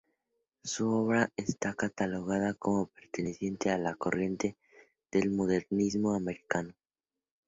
Su obra está catalogada como perteneciente a la corriente del modernismo americano.